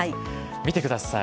見てください。